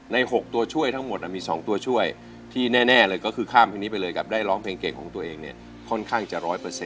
๖ตัวช่วยทั้งหมดมี๒ตัวช่วยที่แน่เลยก็คือข้ามเพลงนี้ไปเลยกับได้ร้องเพลงเก่งของตัวเองเนี่ยค่อนข้างจะ๑๐๐